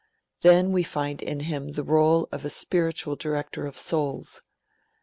Then we find him in the role of a spiritual director of souls.